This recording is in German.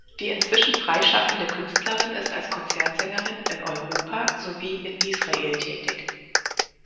Die inzwischen freischaffende Künstlerin ist als Konzertsängerin in Europa sowie in Israel tätig.